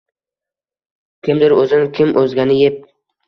Kimdir o’zin, kim o’zgani yeb